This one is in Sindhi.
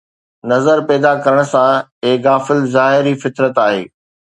نظر پيدا ڪرڻ سان، اي غافل ظاهر ئي فطرت آهي